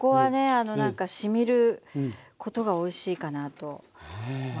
あの何かしみることがおいしいかなと思います。